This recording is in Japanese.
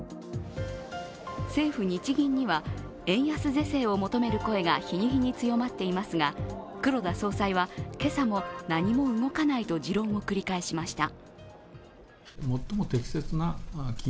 政府・日銀には円安是正を求める声が日に日に強まっていますが黒田総裁は、今朝も何も動かないと持論を繰り返しました。